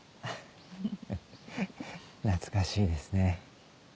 ハハッ懐かしいですね。